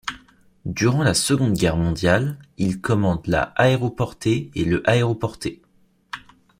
Durant la Seconde Guerre mondiale, il commande la aéroportée et le aéroporté.